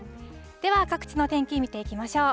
では各地の天気見ていきましょう。